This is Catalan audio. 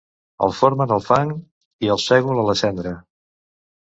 El forment al fang i el sègol a la cendra.